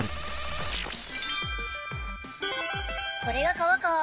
これが川か！